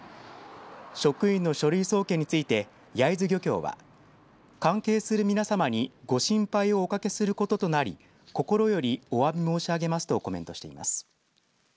職員の書類送検について焼津漁協は、関係する皆さまにご心配をおかけすることとなり心よりおわび申し上げますとコメントしています。